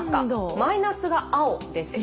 マイナスが青です。